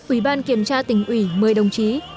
ủy ban kiểm tra tỉnh ủy một mươi đồng chí